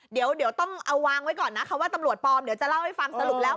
เดี๋ยวต้องเอาวางไว้ก่อนนะคำว่าตำรวจปลอมเดี๋ยวจะเล่าให้ฟังสรุปแล้ว